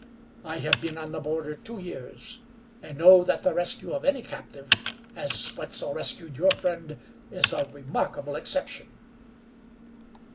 I have been on the border two years, and know that the rescue of any captive, as Wetzel rescued your friend, is a remarkable exception."